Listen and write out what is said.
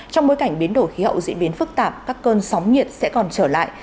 trong bối cảnh biến đổi khí hậu diễn biến phức tạp các cơn sóng nhiệt sẽ còn trở lại